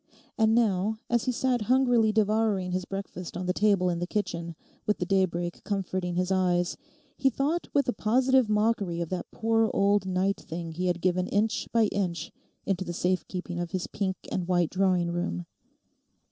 And now, as he sat hungrily devouring his breakfast on the table in the kitchen, with the daybreak comforting his eyes, he thought with a positive mockery of that poor old night thing he had given inch by inch into the safe keeping of his pink and white drawing room.